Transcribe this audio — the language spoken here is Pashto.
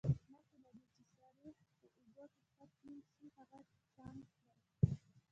مخکې له دې چې سريښ په اوبو کې ښه ټینګ شي هغه چاڼ کړئ.